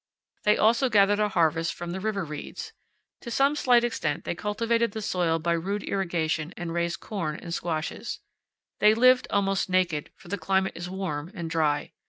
They also gathered a harvest from the river reeds. To some slight extent they cultivated the soil by rude irrigation and raised corn and squashes. They lived almost naked, for the climate is warm and dry.